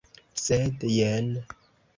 Sed jen!